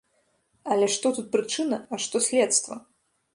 Але што тут прычына, а што следства?